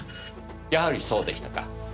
やはりそうでしたか。